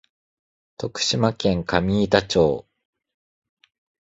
徳島県上板町